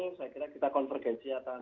saya kira kita konvergensinya akan